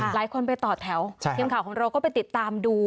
หลายคนไปต่อแถวทีมข่าวของเราก็ไปติดตามดู